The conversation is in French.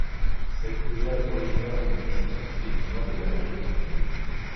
Cette fougère est originaire du Mexique et du nord de l'Amérique du Sud.